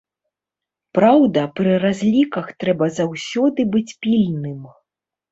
Праўда, пры разліках трэба заўсёды быць пільным.